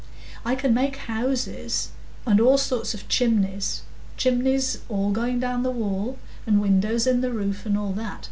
I can make houses, and all sorts of chimneys,—chimneys going all down the wall,—and windows in the roof, and all that.